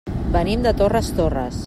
Venim de Torres Torres.